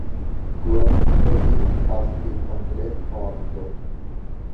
গ্রন্থটি পাঁচটি খণ্ডে সমাপ্ত।